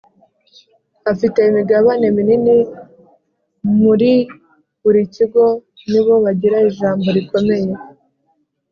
Abafite imigabane minini muri buri kigo ni bo bagira ijambo rikomeye